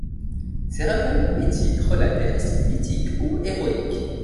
Ses recueils poétiques relatent des récits mythiques ou héroïques.